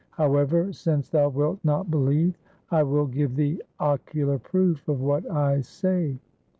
However, since thou wilt not believe, I will give thee ocular proof of what I say.'